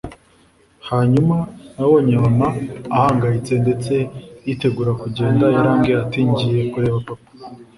Hanyuma nabonye mama ahangayitse ndetse yitegura kugenda yarambwiye ati ngiye kureba papa